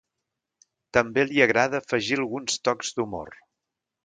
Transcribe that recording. També li agrada afegir alguns tocs d'humor.